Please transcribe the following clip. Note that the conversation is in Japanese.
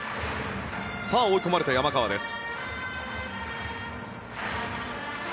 追い込まれた山川です。